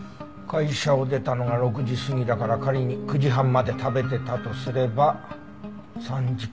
会社を出たのが６時過ぎだから仮に９時半まで食べてたとすれば３時間強。